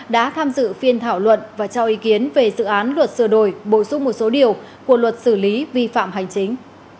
đã tham dự phiên thảo luận và cho ý kiến về dự án luật sửa đổi bổ sung một số điều của luật xử lý vi phạm hành chính